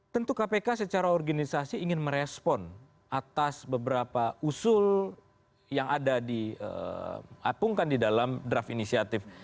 tentu kpk secara organisasi ingin merespon atas beberapa usul yang ada diapungkan di dalam draft inisiatif